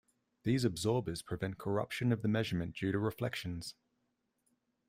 These absorbers prevent corruption of the measurement due to reflections.